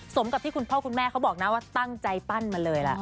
สมกับที่คุณพ่อคุณแม่เขาบอกนะว่าตั้งใจปั้นมาเลยล่ะ